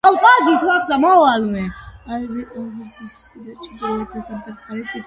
აბსიდის ჩრდილოეთ და სამხრეთ მხარეს თითო ნიშაა.